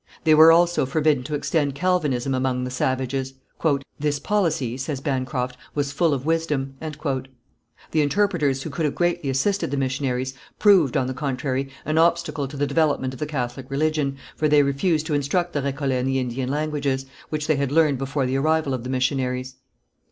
They were also forbidden to extend Calvinism among the savages. "This policy," says Bancroft, "was full of wisdom." The interpreters who could have greatly assisted the missionaries, proved on the contrary an obstacle to the development of the Catholic religion, for they refused to instruct the Récollets in the Indian languages, which they had learnt before the arrival of the missionaries.